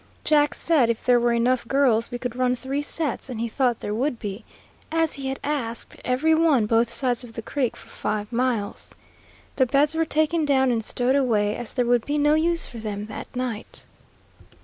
Jack said if there were enough girls, we could run three sets, and he thought there would be, as he had asked every one both sides of the creek for five miles. The beds were taken down and stowed away, as there would be no use for them that night.